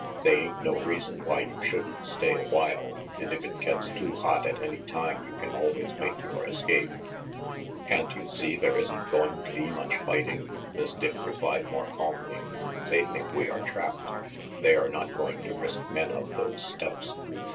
"They ain't no reason why you shouldn't stay a while, and if it gets too hot at any time you can always make yore escape " "Can't you see there isn't going to be much fighting?" Miss Dick replied more calmly. "They think we are trapped. They are not going to risk men up those steps.